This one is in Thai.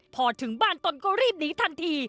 พอถึงบ้านตนก็รีบหนีทันที